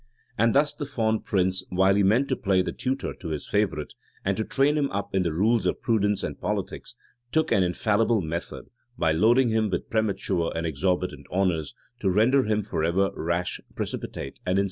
And thus the fond prince, while he meant to play the tutor to his favorite, and to train him up in the rules of prudence and politics, took an infallible method, by loading him with premature and exorbitant honors, to render him, forever, rash, precipitate, and insolent.